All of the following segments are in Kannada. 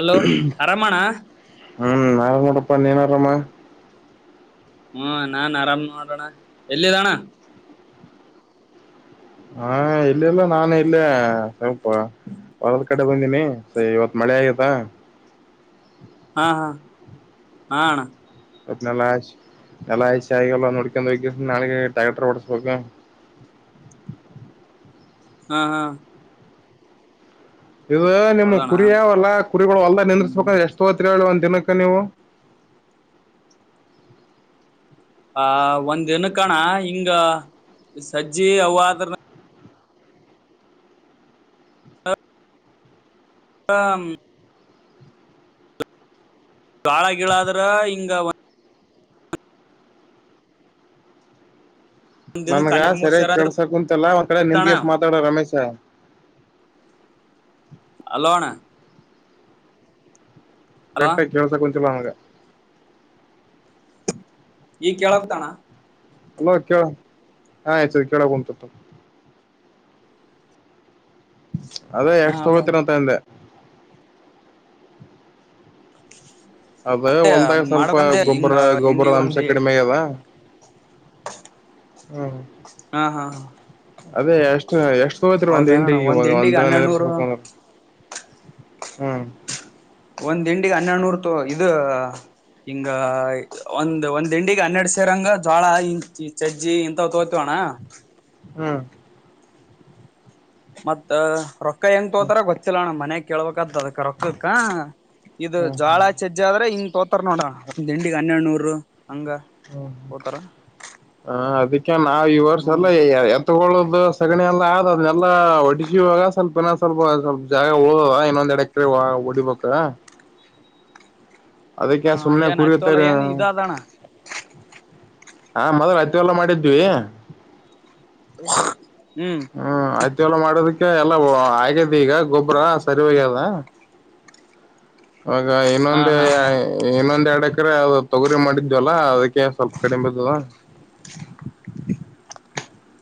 ಅಲೋ ಅರಾಮ್ ಹ್ಮ್ ನಾರ ನೋಡಪ್ಪಾ ನೀನ್ ಆರಾಮ ಹ್ಮ ನಾನ್ ಆರಾಮ್ ನೋಡಣ ಎಲ್ಲಿದ್ದಣ. ಹಾ ಇಲ್ಲೆಲ್ಲ ನಾನು ಇಲ್ಲೇ ಸ್ವಲ್ಪ ಹೊಲದ ಕಡೆ ಬಂದೀನಿ ಸೋ ಇವತ್ ಮಳೆ ಆಗೆದ. ಹಾ ಹಾ ಹಾ ಅಣ್ಣಾ. ನ ನಲ್ಲ ಆ ಎಲ್ಲಾ ಅಇಸಿಸಿ ನೋಡಕೊಂಡ ನಾ ಟ್ಯಾಕ್ರರ್ ಓಡಿಸ್ಬೇಕು ಹಾ ಹಾ ಇವ ನಿಮ್ ಹೌದಣ್ಣ ಕುರಿಯಾವಲ್ಲ ಕುರಿಗಳು ಹೋಲ್ಡಾಗ್ಗ್ ಹ್ಮ್ ನಿಂದ್ರಿಸಸ್ಬೇಕ್ರ ಎಷ್ಟ ತೊಗೊತಿರ್ ಹೇಳ್ ಹೋಲಿ ನಕ್ಕ ನೀವು [inaudible] ಆ ಒಂದ ದಿನ್ನಕ್ ಅಣ್ಣ ಹಿಂಗ ಸಜ್ಜಿ ಅವಾದ್ರ ಹಮ್ ಗಾಳ ಗಿಳಾದ್ರ ಹಿಂಗ. ದಿನಕ್ ನನ್ಗ ಹನ್ನೆರಡ್ ಮೂರ್ ಸರಿಯ ಸಾವಿರ ಕೆಲ್ಸ ಕುಂತಿಲ್ಲ ಒಂದ್ ಕಡೆ ಅಣ್ಣ ನಿಂದ್ಗಸ್ ಮಾತಾಡೂ ರಮೇಶ ಅಲೋ ಅಣ್ಣಾ ಹಲೋ ಕರೆಕ್ಟ್ ಆಗ ಕೆಲ್ಸ ಕುಂತಿಲ್ಲ ನನಗ ಈಗ ಕೇಳ ಕುಂತದಣ್ಣ ಅಲೋ ಕೇಳ ಹಾ ಆ್ಯಕ್ಚುಯಲಿ ಕೇಳಕುಂತತ್ ಅದೇ ಹಾ ಎಷ್ಟ ಹಲೋ ತೊಗೋತೀರ ಅಂತ ಅಂದೆ ಅದ ಅದ್ ಹೊಲ್ದಾಗ ಸ್ವಲ್ಪ ಮಾಡಕಂದ್ರೆ ಹಿಂಗ ಗೊಬ್ಬರ ಹಿಂಡಿಗ್ ಗೊಬ್ಬರದ ಅಂಶ ಒಂದಿ ಕಡಿಮೆ ಅದ.. ಹ್ಮ್ ಹಾ ಹಾ ಅದೇ ಎಷ್ಟ ಎಷ್ಟ್ ತಗೋತ್ರಿ ಒಂದ್ ಹಿಂಡಿ ಹೌದಣ ಒಂದ್ ಇವಾಗ ಹಿಂಡಿಗೆ ಒಂದ್ರಲ್ ಎರಸ್ ಹನ್ನೆರಡ್ನೂರು ಬೇಕ್ ಅಂದ್ರ. ಹ್ಮ್ ಒಂದ್ ಹಿಂಡಿಗ್ ಹನ್ನೆರಡ್ನೂರ್ ತೋ ಇದ ಹಿಂಗ ಒಂದ್ ಒಂದ್ ತಿಂಡಿ ಹನ್ನೆರಡ್ ಸೇರಂಗ ಜೋಳ ಇಂಚಿ ಚಜ್ಜಿ ಇಂತವ್ ತೋಗೊತಿವ್ವಣ್ಣ. ಹ್ಮ್ ಮತ್ತ ರೋ ಎನ್ ಹ್ಮ್ ತೋಗೋತಾರ್ ಗೊತ್ತಿಲ್ಲಣ ಮನ್ಯಾಗ್ ಕೇಳ್ಬೇಕಾದ್ದ ಅದಕ್ಕ ರೊಕ್ಕಕ್ಕ. ಇದು ಹ್ಮ್ ಹ್ಮ್ ಜೋಳ ಚಜ್ಜ ಆದ್ರೆ ಇ ತೋಗೋತಾರ ನೋಡಣ ಒಂದ್ ಹಿಂಡಿಗ್ ಹನ್ನೆಡ್ ನೂರು ಹಂಗ ಹ್ಮ ತೋತಾರ ಹಾ ಅಭಿ. ನಾವ್ ಈ ವರ್ಷ ಹ್ಮ್ ಎಲ್ಲ ಎತ್ತಗೊಳೋದು ಸಗಣಿ ಅಲ್ಲ.. ಆದ್ದದೆಲ್ಲ ಹೊಡಸಿವಾಗ ಸ್ವಲ್ಪ ನ ಸ್ವಲ್ಪ ಸ್ವಲ್ಪ ಜಾಗ ಹೋಗವ ಇನ್ನೊಂದ್ ಎಡ ಎಕ್ರಿ ಹೊಡಿಬೇಕ್. ಹ ಅದಕ್ಕೆ ಹಾ ಸುಮ್ನೆ ಏನ್ ಹತ್ತೋಲ್ಲ ಕುರಿಯುತ್ತರೆ. ಏನ್ ಇದ ಅದಣ ಹಾ ಮೊದಲ ಹತ್ತಿ ಹೊಲ ಮಾಡಿದ್ವಿ [unintelligible] ಹ್ಮ್ ಹತ್ತಿ ಹೊಲ ಮಾಡಿದಿಕ್... ಎಲ್ಲ ಹಾ ಆಗ್ಯದ ಈಗ ಗೊಬ್ಬ್ರ ಸರಿ ಹೋಗ್ಯದ ವಾಗ ಹಾ ಇನ್ನೊಂದೇ ಹಾ ಇನ್ನೊಂದ ಎರಡು ಎಕ್ಕರೆ. ತೊಗರಿ ಮಾಡಿದ್ವಲ್ಲಾ ಅದ್ ಏರ್ ಸ್ವಲ್ಪ ಕಡಿಮ್ ಬಿದ್ದದ..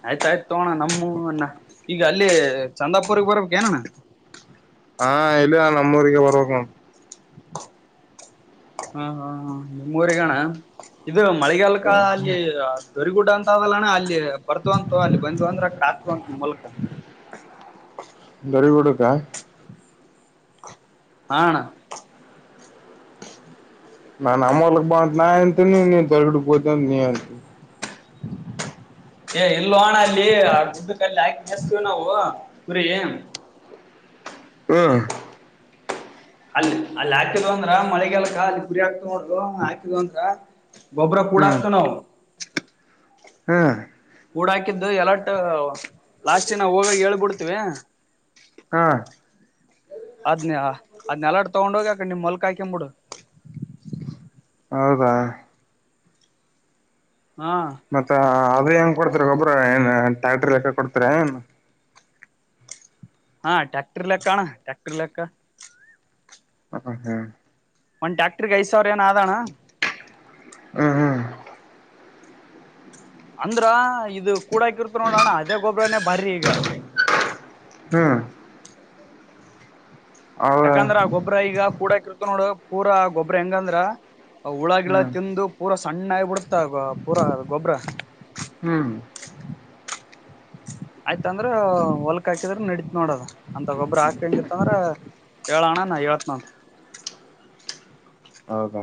ಆಯ್ತಾಯ್ತು ತೋಣ ನಮ್ಮ ಈಗ ಅಲ್ಲಿ ಚಂದಾಪುರ್ಗ್ ಬರ್ಬೇಕ ಏನಣ್ಣ ಹಾ ಇಲ್ಲ ನಮ್ಮೂರಿಗೆರ ಬರಬೇಕ ನೋಡ್ ಹಾ ಹಾ ನಿಮ್ಮುರಿಗನ ಇದು ಮಳೆಗಾಲಕ್ಕ ನೋ ಅಲ್ಲಿ ಗರಿ ಗುಡ್ಡದಂತಲ್ಲ ಅಲ್ಲಿ. ಬರ್ತವಂತ ತಗೋ ಅಲ್ಲಿ ಬಂದ್ ಅಂದ್ರ ಅಕಡೆ ಹಾಕ್ತವಂತ ನಿಮ್ಮ ಮೂಲಕ. ಗ ಹಾ ಅಣ ನಾ ನಮ್ ಹೊಲಕ್ ಬಾ ಅಂತ್ ನಾ ಅಂತೀನಿ ನೀ ಗರಿಬಿಡಾಕ್ ಹೋತಿ ಅಂತ ನೀ ಅಂತಿ. ಏ ಇಲ್ಲೋ ಅಣ ಅಲ್ಲಿ ಆ ದುಡ್ಡ ಕಲ್ಲಿ ಹಾಕಿ ಬಸ್ತೀವಿ ನಾವು ಕುರಿ ಹ ಅಲ್ಲಿ ಅಲ್ಲಿ ಹಾಕಿದ್ವ ಅಂದ್ರ ಮಳಿಗಾಲಕ್ಕ ಅಲ್ಲಿ ಕುರಿ ಆ ನೋಡದು ಹಾಕಿದ್ವು ಅಂದ್ರ ಗೊಬ್ರ ಕೂಡಾಕ್ತಿವ್ ನಾವು. ಹಾ ಕೂಡ ಹಾಕಿದ್ದು ಎಲ್ಲಟ ಲಾಸ್ಟಿಗ್ ನಾವ್ ಹೋಗಾಗ್ ಹೇಳ್ಬಿಡ್ತಿವಿ ಹಾ ಅದ್ನ್ಯಾ ಅದ್ನೆಲ್ಲಾಡ್ ತೊಗೊಂಡ್ ಹೋಗಿ ಆ ಕಡೆ ನಿಮ್ ಮಲ್ಕ ಹಾಕಂಬಿಡು. ಹೌದಾ ಹಾ ಮತ್ತ ಆಲ್ ಅ ಹೆಂಗ್ ಕೊಡ್ತೀರ ಗೊಬ್ರ ಏನ್ ಟ್ಯಾಕ್ಟ್ರ ಲೆಕ್ಕ ಕೊಡ್ತೀರ ಏನ್? ಹಾ ಟ್ರ್ಯಾಕ್ಟರ್ ಲೆಕ್ಕಣ ಟ್ರ್ಯಾಕ್ಟರ್ ಲೆಕ್ಕ. ಹ ಹ್ಮ್ ಒಂದ ಟ್ಯಾಕ್ಟ್ರಿಗೆ ಐದ್ ಸಾವ್ರ ಏನ ಆದಣ್ಣ ಉ ಹ್ಮ್ ಅಂದ್ರ ಇದು ಕೂಡಾಕಿರ್ತಿವ್ ನೋಡೋಣ ಅದೇ ಗೊಬ್ರನೇ ಬಾರಿ ಈಗ ಹ್ಮ್ ಅವ ಯಾಕಂದ್ರ ಆ ಗೊಬ್ರ ಈಗ ಕೂಡಾಕಿರ್ತಿವ್ ನೋಡು ಪೂರಾ ಗೊಬ್ರ ಹೆಂಗಂದ್ರ ಅವ್ ಹುಳ ಗಿಳ ಹ್ಮ್ ತಿಂದು ಪೂರ ಸ್ ಸಣ್ಣಾಗಿ ಬಿಡುತ್ತಾ ಗೊ ಪೂರಾ ಗೊಬ್ರ. ಹ್ಮ್ ಆಯ್ತ ಅಂದ್ರ ಹೊಲ್ಕ್ ಹಾಕಿದ್ರ ನಡೀತ್ ನೋಡದು ಅಂತ ಗೊಬ್ರ ಹಾಕಂಗಿತ್ತಂದ್ರ ಹೇಳಣ್ಣ ನಾ ಹೇಳ್ತ್ನ ಹೌದಾ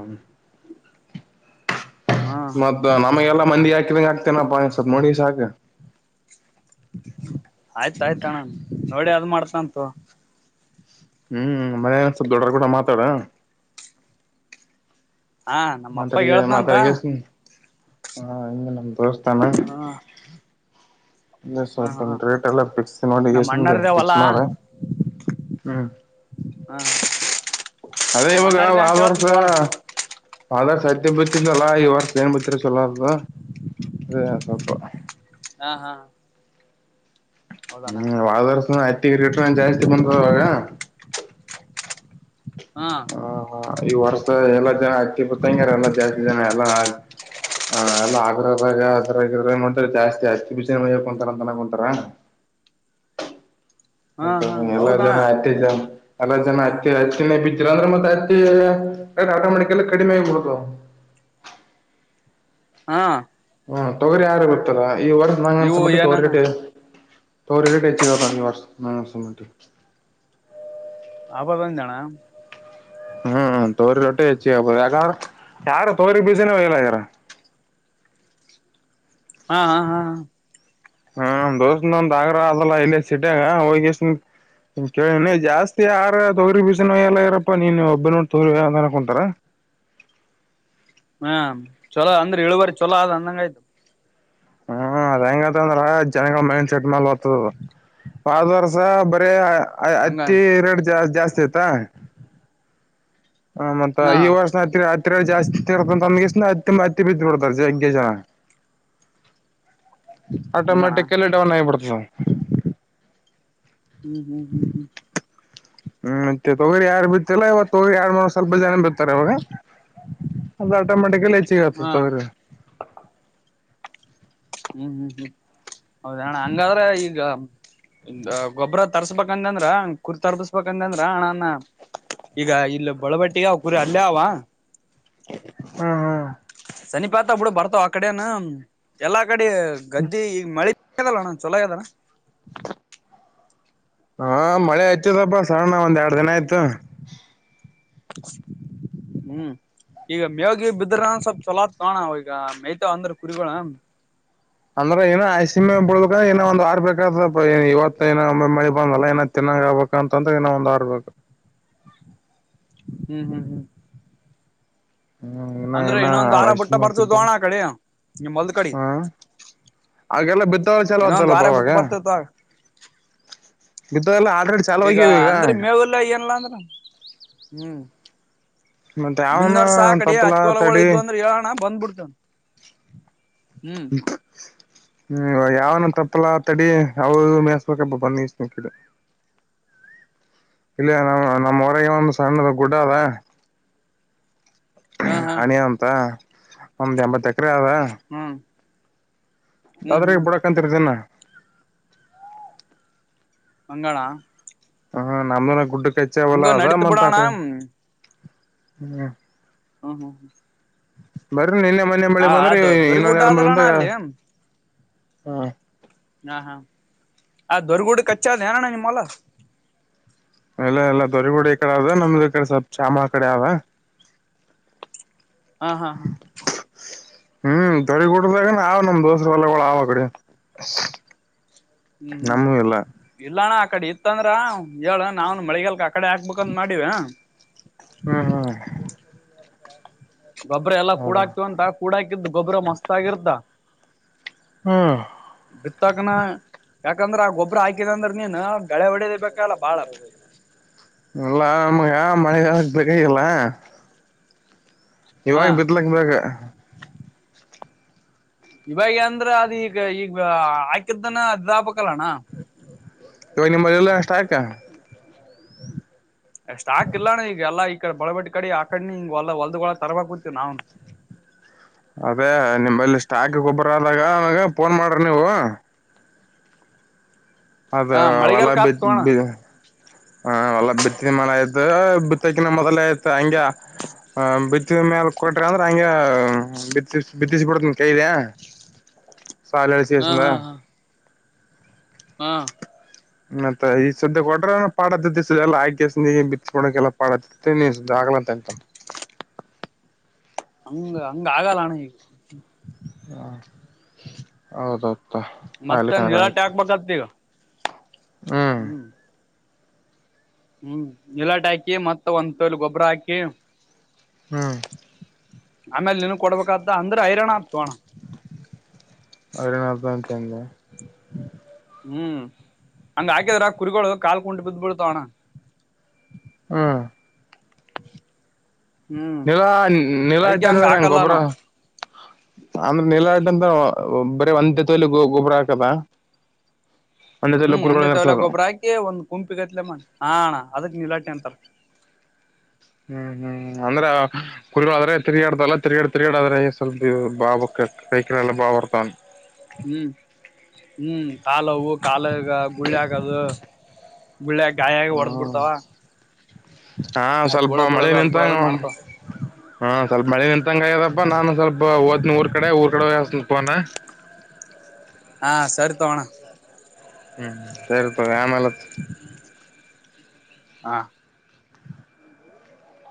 ಹಾ ಮದ್ದ ನ ಆಮಾಗ ಎಲ್ಲಾ ಮಂದಿ ಹಾಕಿದಂಗೆ ಹಾಕ್ತೇನಪ್ಪ ಸ್ವಲ್ಪ ನೋಡಿ ಸಾಕ. ಆಯ್ತಾಯ್ತಣ್ಣ ನ್ ನೋಡಿ ಅದ್ ಮಾಡ್ ತನ್ ತಗೋ ಹ್ಮ್ ಮನೆಯ ಒಂದ ಸ್ವಲ್ಪ ದೊಡ್ಡರ್ ಕೂಡ ಮಾತಾಡ. ಹಾ ನಮ್ಮ ಅಪ್ಪಗ್ ಮಾತಡಿಯೆ ಹೇಳ್ತ್ನಂತ ಮಾತಾಡ್ ಗೆಸಿ ಹಾ ಇನ್ನು ನಮ್ ದೋಸ್ ತಮ ಹ ಹಂಗೆ ಹ ಸ್ವಲ್ಪ ಹಾ ರೇಟ್ ಎಲ್ಲ ಫಿಕ್ಸ್ ಮಾಡಿ ನಮ್ ಎಷ್ಟಂದ ಅಣ್ಣರ್ದೇ ಹೊಲ ಫಿಕ್ಸ್ ಮಾಡ ಹ್ಮ್ ಹ ಅದೇ ನಮ್ ಇವಾಗ ಅಣ್ಣರ್ದೇ ವಾದ ಅಂತ ವರ್ಷ ಹೇಳ್ತನ್ ತಗೋಣ ವಾದ ವರ್ಷ ಮತ್ತ ಬತ್ತಿದಲ್ಲಾ ಈ ವರ್ಷ ಏನ್ ಬತ್ತರ ಚಲಾರದು ಅದೇ ಸ್ವಲ್ಪ ಹ ಹಾ ಹೌದಣ್ಣ ಹ್ಮ್ ವಾಳರ್ಸನ ಹತ್ತಿಗಿರಿಗಟ್ರ ಜಾಸ್ತಿ ಬಂದವಾಗ ಹಾ ಹ ಈ ವರ್ಷದ ಎಲ್ಲಾ ಜನ ಆತಿ ಬತ್ತಂಗಾರ ಎಲ್ಲಾ ಜಾಸ್ತಿ ಜನ ಎಲ್ಲಾ ಆ ಹಾ ಎಲ್ಲ ಆಗ್ರದಾಗ ಅದ್ರ ಮತ್ತೆ ಜಾಸ್ತಿ ಬಿನ ಮಂತಾರ ಅಂತನೊಂತಾರ ಹಾ ಅಂತ ಹಾ ಎಲ್ಲ ಹೌದಣ ಜನ ಆತಿದ್ದ ಎಲ್ಲ ಜನ ಹತ್ತಿ ಹತ್ತಿನೇ ಬಿದ್ದಿಲ್ಲ ಅಂದ್ರೆ ಮತ್ತೆ ಹತ್ತಿ ಆಟೋಮೆಟಿಕಲ್ಲಿ ಕಡಿಮೆ ಆಗಬಿಡ್ತೌ ಹಾ ಹ್ಮ್ ತೊಗರಿ ಯಾರು ಗೊತ್ತಾ ಇವತ್ ಇವು ನಂಗಂಸಮಟ್ಟಿಗೆ ತೋರ ಏನನ ಕಟ್ಟೆ ತೋರರು ಕಳಚ ಕತ ಈ ವರ್ಷ ನ ವರ್ಷ ಆಬದೊಂದ್ ಜಣ ಹ್ಮ್ ತೋರಿ ರೊಟ್ಟೆ ಹೆಚ್ಚಿ ಆಗ್ಬೋದು ಯಾಕ್ರ ಯಾರ ತೋರಿ ಬೀಜನ ಇಲ್ಲ ಯಾರ ಹಾ ಹಾ ಹಾಾ ಹ್ಮ ದೋಸ ಒಂದ ಆಗ್ರಹ ಅದಲ್ಲ ಇಲ್ಲಿ ಸಿಟಾಗ ಹೋಗಿ ಕೇಳೀನಿ ಜಾಸ್ತಿ ಯಾರ ತೊಗ್ರಿ ಬಿಸಿನ ಎಲ್ಲ ಇರಪ್ಪಾ ನೀನ್ ಒಬ್ಬ ನೋಡ್ ತೊರಿ ಅ ಕೊಂಟರ ಹ್ಮ ಚಲೋ ಅಂದ್ರ ಏಳುವಾರಿ ಚೊಲೊ ಅಂದಂಗ್ ಆಯತು ಹ್ಮ ಅದ ಹೆಂಗಂತಂದ್ರ ಜನಗಳ ಮೈಂಡ್ ಸೆಟ್ ಮೇಲ್ ಹೊತ ಆದ್ ವೊದ್ ವರ್ಸ ಬರೀ ಹಂಗ ಅತಿ ರೇಟ್ ಜ ಜಾಸ್ ಸಿತಾ ಹ ಮತ್ ಹಾ ಈ ವರ್ಷ ಹತ್ತಿ ಹ ತಿರ್ಗ ಜಾಸ್ತಿ ಹತ್ ಹತ್ತಿ ಬಿದ್ದಬುಡತ್ವ ಜಗ್ಗಿ ಜಣ ಹಂಗಣ ಆಟೋಮೆಟಿಕಲಿ ಡವನ್ ಆಗಿಬಿಡ್ತ ಹ್ಮ ಹ್ಮ್ ಹ್ಮ್ ಹ್ಮ್ ಹ್ಮ್ ಹ್ಮ ಮತ್ತೆ ತೊಗರಿ ಯಾರ ಬಿತ್ತಿಲ್ಲ ಇವಾಗ ತೊರಿ ಯಾರ್ ಮಾಡ್ ಸ್ವಲ್ಪ ಜನ ಬಿತ್ತಾರ ಆವಾಗ ಅದು ಆಟೋಮೆಟಿಕಲಿ ಚಿಯತ್ ಹಾ ತೊಗರಿ ಹ್ಮ್ ಹ್ಮ್ ಹ್ಮ್ ಹೌದಾ ಅಣ್ಣ ಹಂಗಾದ್ರ ಈಗ ಗ ಗೊಬ್ಬ್ರ ತರ್ಸ್ಬೇಕಂದಂದ್ರ ಕುರಿ ತರ್ಬಸ್ಬೇಕಂದಂದ್ರ ಅಣಾ ನಾ ಈಗ ಇಲ್ಲಿ ಬಳಬಟ್ಟಿ ಅವ ಕುರಿ ಅಲ್ಲೇ ಅವ ಹ್ಞಾಂ ಹ್ಞಾಂ ಸನಿಪಾತಾವ ಬಿಡು ಬರ್ತಾವ ಆ ಕಡೆನ ಎಲ್ಲಾ ಕಡಿ ಗದ್ದಿ ಈಗ್ ಮಳಿ ಲಣ್ಣ ಚೊಲ ಆಯದಣ್ಣ ಹಾ ಮಳೆ ಹತ್ತೆದಪಾ ಸಣ್ಣ ಒಂದ್ ಯಾ ಏನಾಯ್ತು [inaudible] ಹ್ಮ್ ಈಗ ಮೇವ್ ಗಿವ್ ಬಿದ್ರ ಸ್ವಲ್ಪ ಚಲೊ ಆತದೊಣ್ಣ ಅವ ಈಗ ಮೆಯ್ತಾವ ಅಂದ್ರ ಕುರಿಗೋಳ ಅಂದ್ರೆ ಏನ ಸಿಮೆ ಬಳ ಇನ್ನ ಒಂದ್ ಆರ್ಬೇಕಾದ ಇವತ್ತ ಏ ಮಳಿ ಬಂದಲ್ಲ ಏನ ತಿನ್ನ ಆಗ್ಬೇಕ ಅಂತಂದ್ರೆ ಇನಾ ಒಂದ್ ಆರ್ಬೇಕು ಹ್ಮ್ ಹ್ಮ್ ಹ್ಮ್ ಹ್ಮ್ ಇನ್ನ ಅಂದ್ರೆ ಇನ್ನೊಂದ್ ವಾರ ಬಿಟ್ಟ ಬರ್ತದ ಏನಷ್ಟತಿದ್ದ ತೋಣ ಆ ಕಡಿ ನಿಮ್ ಹೊಲ್ದ ಕಡಿ ಹ್ಮ ಹಾಗೆಲ್ಲ ಬಿದ್ದವ ಚಲ ಇನ್ನೊಂದ್ ಅತಲ್ಲಪ್ಪ ವಾರ ಅವಾಗ ಬಿಟ್ಟು ಬರ್ತೇತ ಇ ಎಲ್ಲ ಆ್ರಡ್ ಚಾಲುವ್ಯಾವ ಈಗ ಅಂದ್ರೆ ಮೇವಿಲ್ಲ ಏನಿಲ್ಲ ಅಂದ್ರ ಹ್ಮ್ ಮತ್ತೆ ಯಾವನ ಮುನ್ನರ್ಸ ಕಡೆ ತಪ್ಪಲ ಹಚ್ಚ ಒಲ ಒಳ ತಡಿ ಇದ್ ಅಂದ್ರೆ ಹೇಳೋಣ ಬಂದ್ಬಿಡ್ತಾನ ಇಕ್ ಹ್ಮ್ ಯಾವನ ತಪ್ಪಲ್ಲ ತಡಿ ಅವ್ ಮೇಸ್ಬೇಕಬ್ಬ ಬನ್ನಿ ಇಷ್ಟ್ಣ ಕಡೆ ಇಲ್ಲಿ ನಮ್ ನಮ್ಮ ಹೊರಗೆ ಒಂದು ಸಣ್ಣದ ಗುಡ ಅದೆ ಹಾ ಹಾ ಹಣಿಯ ಅಂತ ಒಮ್ದ್ ಎಂಬತ್ತ ಹ್ಮ್ ಹ್ಮ್ ದಾದ್ರಗ್ ಹ್ಮ್ ಬಿಡಕಂತರರ್ದನ ಮಂಗಳ ಹ ನಮ್ದನ ಗುಡ್ಡ ಕಚ ಒಲ ಅದ ನಡೀತ್ ಮಂತಾ ಬಿಡೋಣ ಕಡೆ ಹ್ಮ್ ಹ್ಮ ಹಾ ಹ್ಮ್ ನಿನ್ನೆ ಮನ್ನೆ ಹ ಮಳೆ ಬಂದ್ರೆ ಅದು ಇನ್ನೊಂದು ದೊರಿಗುಡ್ಡ ಎರಡು ಮರ್ಂತ ಅದಲ್ಲಣ್ಣ ಅಲ್ಲಿ ಹಾ ಹಾ ಹಾ ಆ ದೊರ್ಗೂಡ ಕಚ್ಚನಣ್ಣ ನಿಮ್ಮಲ್ಲ ಎಲ್ಲ ಎಲ್ಲ ದೊರಿಗೋಡಿ ಈ ಕಡೆ ನಮ್ದು ಈ ಕಡೆ ಸ್ವಲ್ಪ ಚಾಮ ಆ ಕಡೆ ಆದ. ಹ ಹಾ ಹಾ ಹ್ಮ್ ತೊರಿಗುಡ್ಡದಾಗ ನಾವು ನಮ್ ದೋಸ್ರು ಎಲ್ಲಗಳ ಆವ ಬಿಡಿ ಹ್ಮ್ ಹ್ಮ್ ಇಲ್ಲಾಣ ಕಡೆ ಇತ್ತಂದ್ರಾ ಹೇಳು ನಾವುನು ಮಳಿಗಲ್ ಹಾಕ್ ಕಡೆ ಹಾಕ್ಬೇಕಂತ ಮಾಡಿರ. ಹ್ಮ್ ಹ್ಮ್ ಗೊಬ್ರ ಎಲ್ಲ ಹೌದಾ ಕೂಡಾಕ್ತ ಅಂತ ಕೂಡಾಕಿ. ಗೊಬ್ಬರ ಮಸ್ತ್ ಆಗಿರ್ತ. ಹ್ಮ್ ಇರ್ತವ ಕಣ. ಯಾಕಂದ್ರ ಆ ಗೊಬ್ಬ್ರ ಹಾಕಿದ ಅಂದ್ರ ನೀನ್ ಕಳೆ ಹೊಡಿಲೆ ಬೇಕ್. ಎಲ್ಲಾ ನಮ್ಗೆ ಮಳೆಗಾಲ ಬಿಡಿ ಇಲ್ಲ ಹ ಇವಾಗ ಬಿತ್ಲಕ್ಕ ಬೇಕ್. ಇವಾಗ ಅಂದ್ರ ಅದ ಈಗ ಈಗ ಆಕ್ಕಿತ್ತನ ಅರ್ದಾಗಬೇಕಲ್ಲ ಅಣ್ಣಾ. ಇವಾಗ ನಿಮ್ಮಲ್ಲಿ ಎಲ್ಲ ಅಷ್ಟ ಹಾಕ್. ಸ್ಟಾಕ್ ಇಲ್ಲಾ ಅಣ್ಣಾ ಈಗ ಎಲ್ಲಾ ಈಗ್. [unintelligible] ಅದೇ ನಿಮ್ಮಲ್ಲಿ ಸ್ಟಾಕ್ ಗೋಬ್ಬರ ಆದಾಗ ಅವಂಗ ಫೋನ್ ಮಾಡ್ರಿ ನೀವು. ಅದ ಹ ಹೊಲ ಮಳಿಗಾಲಕ್ ಆತ್ ಬಿದ್ದ ತೋಣ ಬಿ ಹಾ [unintelligible] ಮಾಲ ಆಯ್ತ ಬಿತ್ತಕಿನ ಮೊದಲೇ ಆಯ್ತ್ ಹಂಗ ಬಿತ್ತಿದ ಮ್ಯಾಲ ಕೊಟ್ರ ಅಂದ್ರ ಹಂಗೆ ಅ ಬಿತ್ತಿಸಿ ಬಿತ್ತಿಸಿಬಿಡ್ತನ್ ಕೈಲ್ಯಾ. ಸಾಲ ಐಸಿಸಿಯಿಂದ. ಹಾ ಮತ್ತ ಈ ಸದ್ದ ಕೊಟ್ರ ಅಂದ್ರ ಪಾಡಾತ್ತತಿ ಸ ಎಲ್ಲ ಆಕ್ಕಿಸಿಂದ್ ಬಿಚ್ಚಿಕೋಡಕೆಲ್ಲಾ ಪಾಡತ್ತತಿ ನೀ [unintelligible] ಹಂಗ್ ಆಗಲ್ಲ ಅಣ್ಣಾ. ಹಾ ಹೌದು ಹೌದು. ಮತ್ತೆ [unintelligible] ಹ್ಮ್ ಹ್ಮ್ ಇಲಟ ಹಾಕಿ ಮತ್ತೆ ಇನ್ನೊಂದು ತಲೋ ಗೊಬ್ಬರ ಹಾಕಿ ಹಾ ಆಮೇಲೆ ನಿನಗ್ ಕೊಡಬೇಕ್ ಆತ್ತ ಅಂದ್ರ ಹೈರಾಣ ಆಗುತ್ತೆ ಅಣ್ಣಾ. ಹೈರಾಣಾ ಆಗುತ್ತೆ ಅಂತೆ ಅಂದೆಯ. ಹೂ ಹಂಗ ಹಾಕಿದ್ರ ಕುರಿಗಳು ಕಾಲು ಕುಂಟು ಬಿದ್ದು ಬೀಳುತ್ತವೆ ಅಣ್ಣಾ. ಹ ನೀಲ ಅ ಅದಕ್ಕೆ ಹಂಗ ನಿಟ್ಟನ ಹಾಕಲ್ಲ ಗೊಬ್ಬರ ನಾವು ಆಮೇಲೆ [unintelligible] [unintelligible] ಬರೀ ಒಂದು ತೊಲೆ ಗೊಬ್ಬರ ಹಾಕೋದ. ಹ್ಮು ಒಂದೇ ತೊಲೆ ಗೊಬ್ಬರ ಹಾಕಿ ಒಂದು ಗುಂಪಿ ಗಟ್ಟಲೆ ಮಾಡ್ ಹ ಅಣ್ಣಾ. ಅದಕ್ಕೆ ನೀಲಾಟಿ ಅಂತಾರ. ಹ್ಮ್ ಹ್ಮ್ ಅಂದ್ರ ಕುರಿಗಳು ಆದರೆ ತಿರುಗಾಡುತ್ತವೆ ಅಲ್ವ ಅದಕ್ಕೆ ತಿರಗಾಡಿ ತಿರಗಾಡಿ ಆದ್ರ ಸ್ವಲ್ಪ ಇವು ಭಾವ ಕೈ ಕಾಲು ಬಾವು ಬರ್ತಾವ್ ಅಂತ. ಹ್ಮ್ ಹ್ಮ್ ಕಾಲು ಅವು ಕಾಲ್ ಈಗ ಗುಳ್ಳಿ ಆಗೋದ್ ಹ್ಮ್ ಹಾ ಆಯ್ತ್ ಸ್ವಲ್ಪ ಹುಳ ಮಳೆ ಬೀಳೋದು ಅದ್ ನಿಂತಂಗ ಬೀಳೋದು ಮಾಡ್ತಾವ ಹಾ ಹ್ಮ ಸ್ವಲ್ಪ ಮಳೆ ನಿಂತಂಗ ಹಾಗಿದೆಪ್ಪಾ ನಾನು ಸ್ವಲ್ಪ ಹೊತ್ತನ್ ಊರ ಕಡೆ ಹೋಗುತ್ತೇನೆ ಊರ ಕಡ [unintelligible] ಒನ್ ಹ ಸರಿ ತೊಗೊ ಅಣ್ಣಾ. ಹ್ಮ್ ಸರಿಪ ಆಮೇಲತ್ ಹಾ